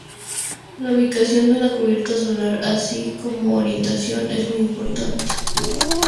La ubicación de una cubierta solar así como su orientación es muy importante.